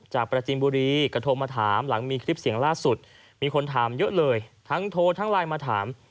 ปราจินบุรีก็โทรมาถามหลังมีคลิปเสียงล่าสุดมีคนถามเยอะเลยทั้งโทรทั้งไลน์มาถาม